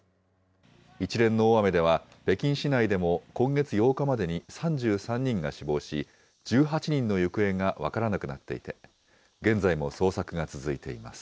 一連の大雨では、北京市内でも今月８日までに３３人が死亡し、１８人の行方が分からなくなっていて、現在も捜索が続いています。